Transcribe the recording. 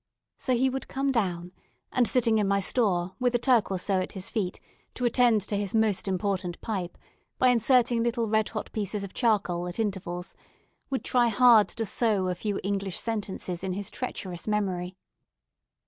So he would come down, and sitting in my store, with a Turk or so at his feet, to attend to his most important pipe, by inserting little red hot pieces of charcoal at intervals, would try hard to sow a few English sentences in his treacherous memory.